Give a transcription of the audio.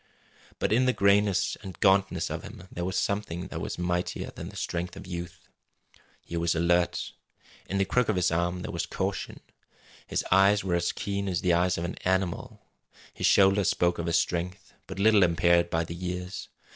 But in the grayness and gauntness of him there was something that was mightier than the strength of youth. He was alert. In the crook of his arm there was caution. His eyes were as keen as the eyes of an animal. His shoulders spoke of a strength but little impaired by the years.